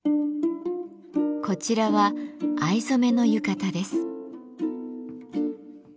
こちらは藍染めの浴衣です。